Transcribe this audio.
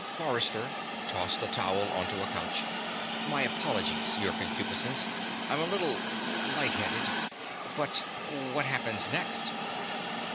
Forrester tossed the towel onto a couch. "My apologies, Your Concupiscence. I'm a little light headed. But what happens next?"